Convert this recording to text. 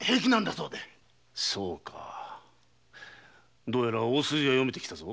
そうかどうやら大筋はよめてきたぞ。